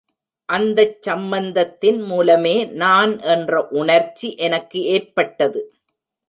அந்தச் சம்பந்தத்தின் மூலமே நான் என்ற உணர்ச்சி எனக்கு ஏற்பட்டது.